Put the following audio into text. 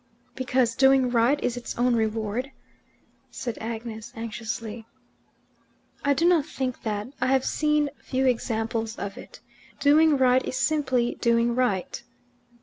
"Because doing right is its own reward," said Agnes anxiously. "I do not think that. I have seen few examples of it. Doing right is simply doing right."